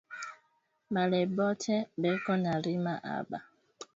Bale bote beko na rima aba teswake na njala